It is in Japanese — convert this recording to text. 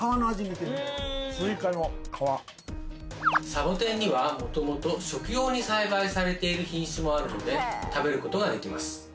サボテンにはもともと食用に栽培されている品種もあるので食べることができます。